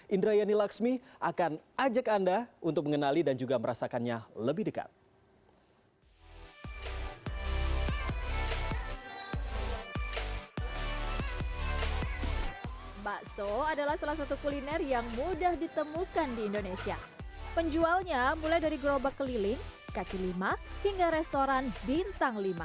indra yani laksmi akan ajak anda untuk mengenali dan juga merasakannya lebih dekat